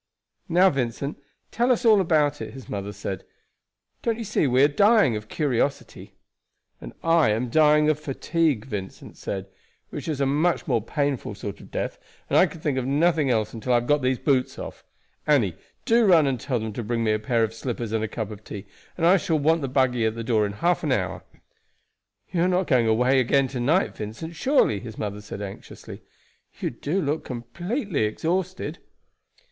"Now, Vincent, tell us all about it," his mother said. "Don't you see we are dying of curiosity?" "And I am dying of fatigue," Vincent said; "which is a much more painful sort of death, and I can think of nothing else until I have got these boots off. Annie, do run and tell them to bring me a pair of slippers and a cup of tea, and I shall want the buggy at the door in half an hour." "You are not going away again to night, Vincent, surely?" his mother said anxiously. "You do look completely exhausted."